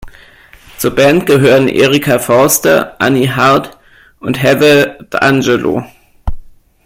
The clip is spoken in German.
Zur Band gehören Erika Forster, Annie Hart und Heather D’Angelo.